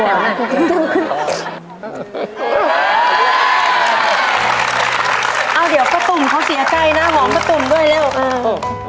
เอาเดี๋ยวป้าตุ่มเขาเสียใจนะหอมป้าตุ่มด้วยเร็วเออ